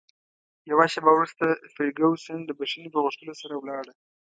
یوه شیبه وروسته فرګوسن د بښنې په غوښتلو سره ولاړه.